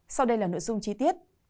sau đây là nội dung chi tiết